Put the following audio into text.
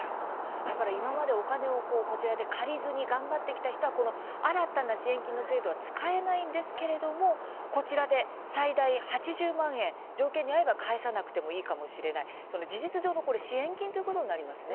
だから今まではお金を借りずに頑張ってきた人は新たな支援金の制度は使えないんですけれどもこちらで最大８０万円条件に合えば返さなくてもいいかもしれない事実上の支援金ということになりますね。